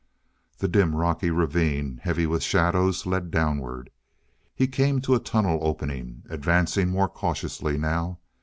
The dim rocky ravine, heavy with shadows, led downward. He came to a tunnel opening, advancing more cautiously now.